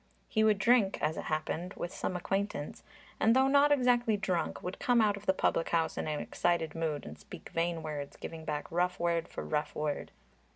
He would drink, as it happened, with some acquaintance, and though not exactly drunk, would come out of the public house in an excited mood and speak vain words, giving back rough word for rough word.